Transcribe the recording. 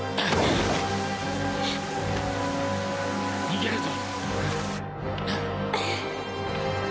逃げるぞ！